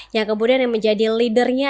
yang kemudian menjadi lidernya